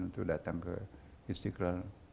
untuk datang ke istiqlal